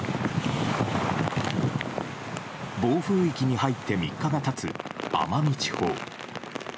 暴風域に入って３日が経つ奄美地方。